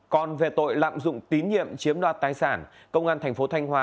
còn về tội lạm dụng tín nhiệm chiếm đoạt tài sản công an tp thanh hóa